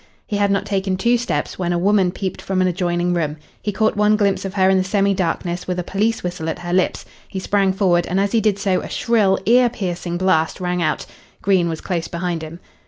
He had not taken two steps when a woman peeped from an adjoining room. He caught one glimpse of her in the semi darkness with a police whistle at her lips. He sprang forward, and as he did so a shrill, ear piercing blast rang out. Green was close behind him.